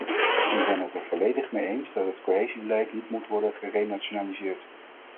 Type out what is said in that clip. Ik ben het er volledig mee eens dat het cohesiebeleid niet moet worden gerenationaliseerd.